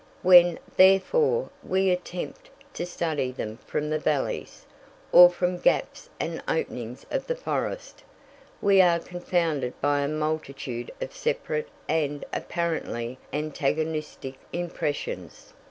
When, therefore, we attempt to study them from the valleys, or from gaps and openings of the forest, we are confounded by a multitude of separate and apparently antagonistic impressions.